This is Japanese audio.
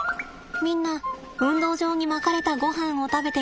みんな運動場にまかれたごはんを食べています。